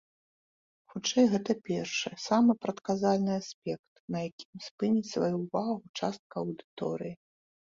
Хутчэй гэта першы, самы прадказальны аспект, на якім спыніць сваю ўвагу частка аўдыторыі.